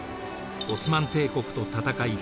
オスマン帝国と戦い